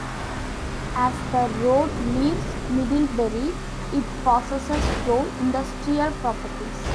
As the road leaves Middlebury it passes through industrial properties.